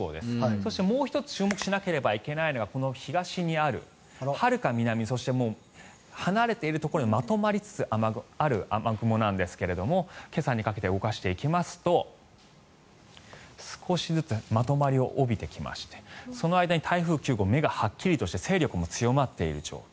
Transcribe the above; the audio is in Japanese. そしてもう１つ注目しなければいけないのがこの東にあるはるか南そして離れているところでまとまりつつある雨雲ですが今朝にかけて動かしていきますと少しずつまとまりを帯びてきましてその間に台風９号目がはっきりとして勢力も強まっている状況。